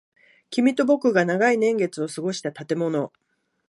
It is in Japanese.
君と僕が長い年月を過ごした建物。